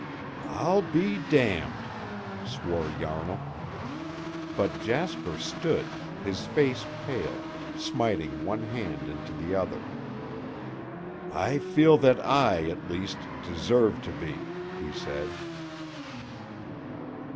"I'll be d d!" swore Yarnall. But Jasper stood, his face pale, smiting one hand into the other. "I feel that I, at least, deserve to be," he said.